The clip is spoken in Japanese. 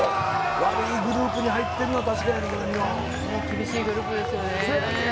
悪いグループに入ってるの、厳しいグループですよね。